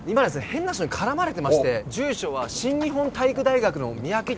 ヘンな人に絡まれてまして住所は新日本体育大学の三宅寮